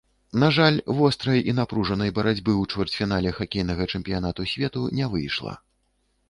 На жаль, вострай і напружанай барацьбы ў чвэрцьфінале хакейнага чэмпіянату свету не выйшла.